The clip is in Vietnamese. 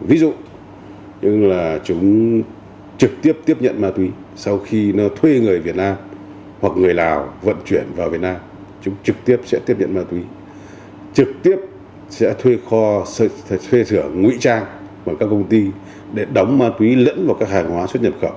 ví dụ chúng trực tiếp tiếp nhận ma túy sau khi thuê người việt nam hoặc người lào vận chuyển vào việt nam chúng trực tiếp sẽ tiếp nhận ma túy trực tiếp sẽ thuê khóa thuê sửa ngụy trang bằng các công ty để đóng ma túy lẫn vào các hàng hóa xuất nhập khẩu